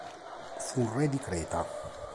Fu un re di Creta.